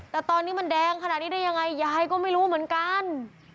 ขนาดนี้ได้ยังไงย้ายก็ไม่รู้เหมือนกัน